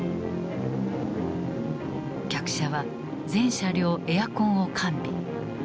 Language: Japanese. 客車は全車両エアコンを完備。